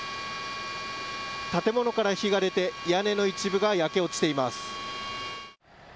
建物から火が出て屋根の一部が焼け落ちています。